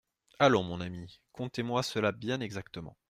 Allons, mon ami, contez-moi cela bien exactement.